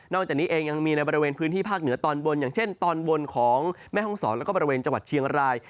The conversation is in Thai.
จากนี้เองยังมีในบริเวณพื้นที่ภาคเหนือตอนบนอย่างเช่นตอนบนของแม่ห้องศรแล้วก็บริเวณจังหวัดเชียงราย